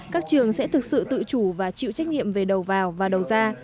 các trường sẽ thực sự tự chủ và chịu trách nhiệm về đầu vào và đầu ra